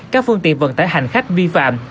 các phương tiện vận tải hành khách vi phạm